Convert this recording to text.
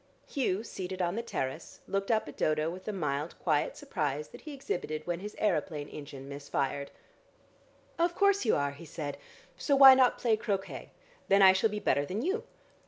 Hugh, seated on the terrace, looked up at Dodo with the mild, quiet surprise that he exhibited when his aeroplane engine miss fired. "Of course you are," he said. "So why not play croquet? Then I shall be better than you."